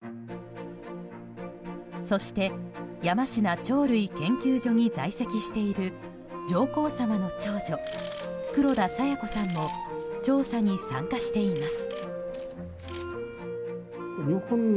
そして山階鳥類研究所に在籍している上皇さまの長女・黒田清子さんも調査に参加しています。